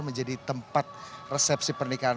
menjadi tempat resepsi pernikahan